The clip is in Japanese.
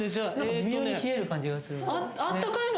微妙に冷える感じがするの。